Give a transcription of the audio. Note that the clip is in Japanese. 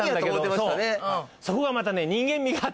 そうそこがまたね。